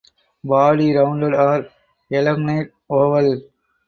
Body rounded or elongate oval.